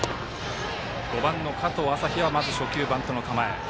５番の加藤太陽は初球、バントの構え。